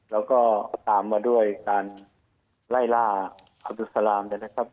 แล้วก็ตามมาด้วยการไล่ล่าอับรุษลามนะครับ